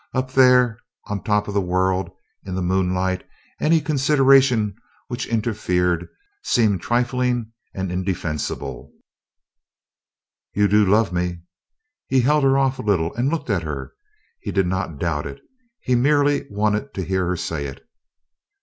Up there on top of the world, in the moonlight, any consideration which interfered seemed trifling and indefensible. "You do love me?" He held her off a little and looked at her. He did not doubt it he merely wanted to hear her say it.